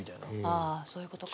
ああそういうことか。